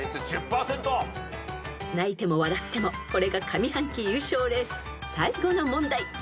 ［泣いても笑ってもこれが上半期優勝レース最後の問題。